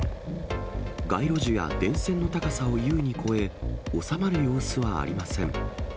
街路樹や電線の高さを優に超え、収まる様子はありません。